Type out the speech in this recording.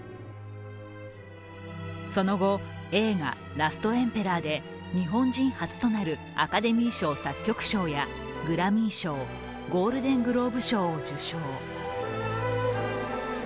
その後、映画「ラストエンペラー」で日本人初となるアカデミー賞作曲賞やグラミー賞、ゴールデングローブ賞を受賞。